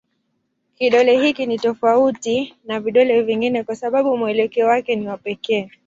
Kidole hiki ni tofauti na vidole vingine kwa sababu mwelekeo wake ni wa pekee.